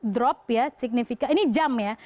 drop ya signifikan ini jam ya